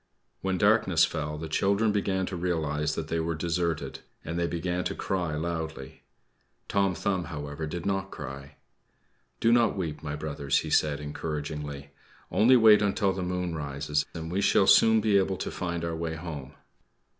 When darkness fell, the children began to realize that they were deserted, and they began to cry loudly. Tom Thumb, however, did not cry. "Do not weep, my brothers," he said encouragingly. "Only wait until the moon rises, and we shall soon be able to find our way home."